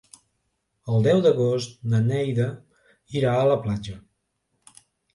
El deu d'agost na Neida irà a la platja.